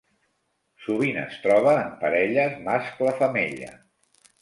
Sovint es troba en parelles mascle-femella.